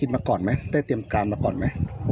มาก่อนไหมได้เตรียมการมาก่อนไหม